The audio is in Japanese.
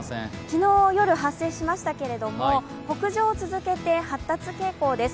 昨日夜発生しましたけれども、北上を続けて発達傾向です。